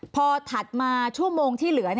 พอถัดมาชั่วโมงที่เหลือ